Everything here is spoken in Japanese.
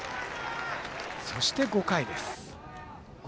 そして、５回です。